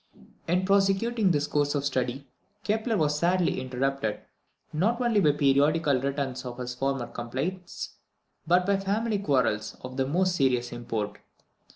In prosecuting this course of study, Kepler was sadly interrupted, not only by periodical returns of his former complaints, but by family quarrels of the most serious import.